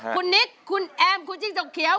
คุณนิกคุณแอมคุณจิ้งจกเขียว